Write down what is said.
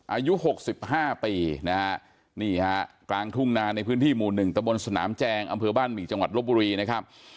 อายุ๖๕ปีนะฮะนี่ฮะกลางทุ่งนาในพื้นที่หมู่๑ตะบนสนามแจงอำเภอบ้านหมี่จังหวัดลบบุรีนะครับ